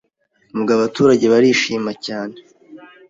ubwo abaturage barishima cyane